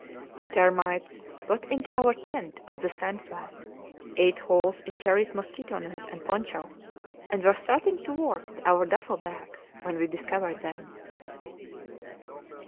The termites got into our tent on the sand flat, ate holes in Cherrie's mosquito net and poncho, and were starting to work at our duffel bags, when we discovered them.